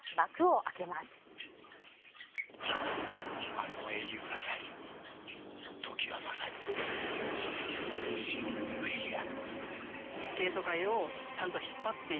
あの英雄が去り時は、まさにシン・フィギュア。